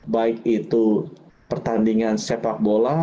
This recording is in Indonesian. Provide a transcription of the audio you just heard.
baik itu pertandingan sepak bola